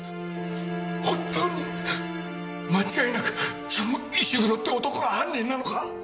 本当に間違いなくその石黒って男が犯人なのか？